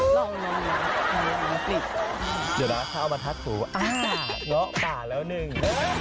เดี๋ยวนะถ้าเอามาทักสูตรว่าอ่าละฝาดแล้วหนึ่ง